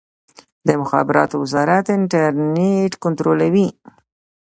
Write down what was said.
د مخابراتو وزارت انټرنیټ کنټرولوي؟